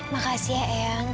makasih ya ehang